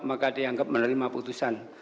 maka dianggap menerima putusan